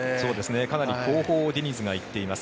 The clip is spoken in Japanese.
かなり後方をディニズが行っています。